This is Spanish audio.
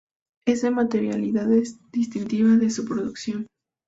Ese materialidad es distintiva de su producción.